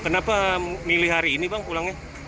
kenapa milih hari ini bang pulangnya